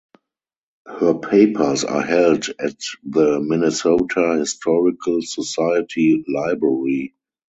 Her papers are held at the Minnesota Historical Society Library.